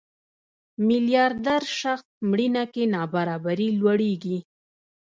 میلیاردر شخص مړینه کې نابرابري لوړېږي.